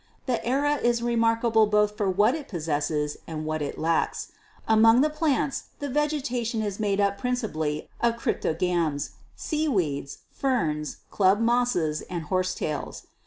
The era is remarkable both for what it possesses and what it lacks. Among plants the vegetation is made up princi pally of Cryptogams, seaweeds, ferns, club mosses and horsetails.